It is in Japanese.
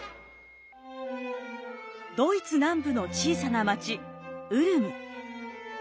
ドイツ南部の小さな町ウルム。